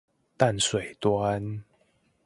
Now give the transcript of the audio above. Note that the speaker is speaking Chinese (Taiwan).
淡水端